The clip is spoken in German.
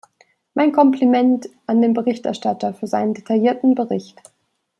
Mein Kompliment an den Berichterstatter für seinen detaillierten Bericht.